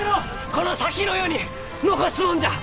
この先の世に残すもんじゃ！